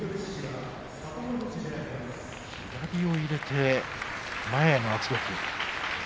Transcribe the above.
左を入れて前への圧力。